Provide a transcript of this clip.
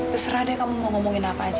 terserah deh kamu mau ngomongin apa aja